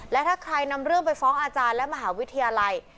และถ้าใครนำเรื่องไปฟ้องอาจารย์และมหาวิทยาลัย